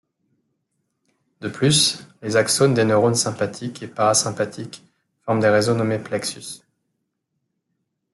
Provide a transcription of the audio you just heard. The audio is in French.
De plus, les axones des neurones sympathiques et parasympathiques forment des réseaux nommés plexus.